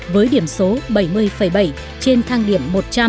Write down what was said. với điểm số bảy mươi bảy trên thang điểm một trăm linh